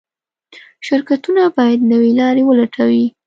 شرکتونه باید نوې لارې ولټوي.